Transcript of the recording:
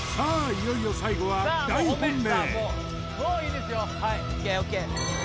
いよいよ最後は大本命